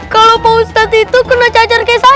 kalo pak ustadz itu kena cacar kayak saya